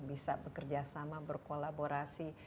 bisa bekerja sama berkolaborasi